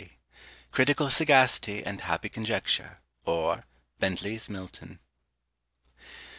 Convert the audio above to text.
] "CRITICAL SAGACITY," AND "HAPPY CONJECTURE;" OR, BENTLEY'S MILTON.